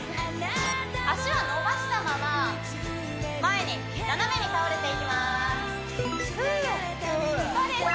脚は伸ばしたまま前に斜めに倒れていきますそうです